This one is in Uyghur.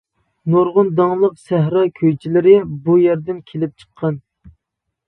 نۇرغۇن داڭلىق سەھرا كۈيچىلىرى بۇ يەردىن كېلىپ چىققان.